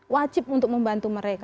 wajib untuk membantu mereka